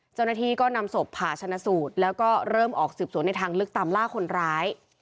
เจ้าหน้าที่ก็นำศพผ่าชนะสูตรแล้วก็เริ่มออกสืบสวนในทางลึกตามล่าคนร้าย